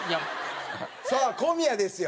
さあ小宮ですよ。